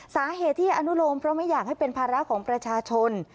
สาเหตุที่อนุโลมเพราะไม่อยากให้เป็นภาระของประชาชน